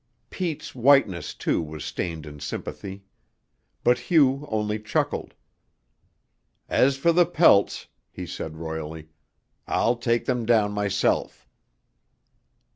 Pete's whiteness too was stained in sympathy. But Hugh only chuckled. "As for the pelts," he said royally, "I'll take them down myself."